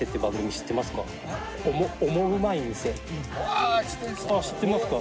知ってますか？